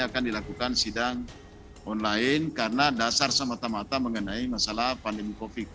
akan dilakukan sidang online karena dasar semata mata mengenai masalah pandemi covid